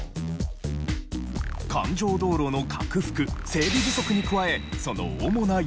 環状道路の拡幅整備不足に加えその主な要因が。